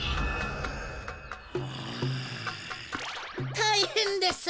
たいへんです！